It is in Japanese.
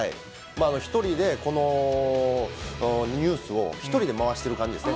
１人でこのニュースを、１人で回してる感じですね。